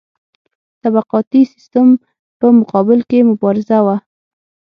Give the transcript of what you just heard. طبقاتي سیستم په مقابل کې مبارزه وه.